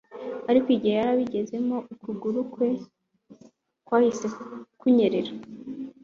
Ariko igihe yari abigezemo, ukuguru kwe kwahise kurnyerera.